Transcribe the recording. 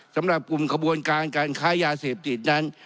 สำหรับกลุ่มขบวนการการค้ายาเสพติดนั้น